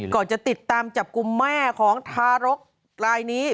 จะติดตามจับกลุ่มแม่ของทารกลายนี้